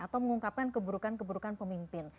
atau mengungkapkan keburukan keburukan pemimpin